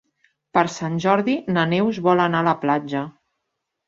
Per Sant Jordi na Neus vol anar a la platja.